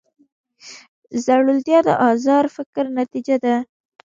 زړورتیا د ازاد فکر نتیجه ده.